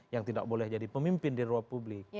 yang tidak boleh jadi pemimpin di ruang publik